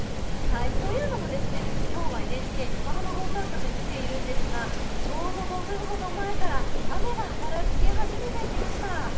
というのもきょうはＮＨＫ横浜放送局に来ているんですがちょうど５分ほど前から雨がぱらつき始めてきました。